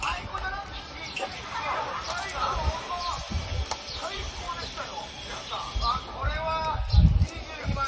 いや、最高でしたよ。